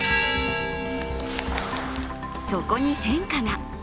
そこに変化が。